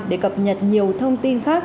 để cập nhật nhiều thông tin khác